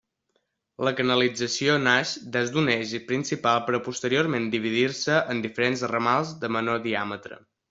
La canalització naix des d'un eix principal per a posteriorment dividir-se en diferents ramals de menor diàmetre.